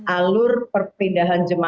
alur perpindahan jemaah